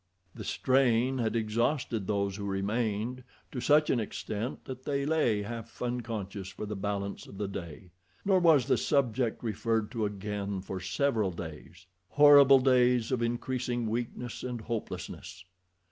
The strain had exhausted those who remained to such an extent that they lay half unconscious for the balance of the day, nor was the subject referred to again for several days. Horrible days of increasing weakness and hopelessness.